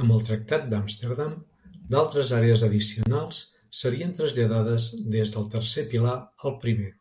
Amb el Tractat d'Amsterdam, d'altres àrees addicionals serien traslladades des del tercer pilar al primer.